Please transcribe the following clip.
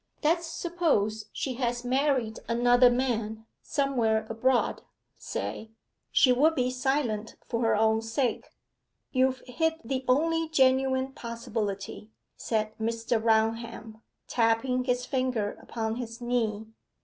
Let's suppose she has married another man somewhere abroad, say; she would be silent for her own sake.' 'You've hit the only genuine possibility,' said Mr. Raunham, tapping his finger upon his knee.